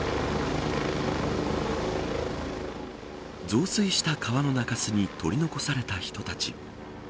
増水した川の中州に取り残された人たち。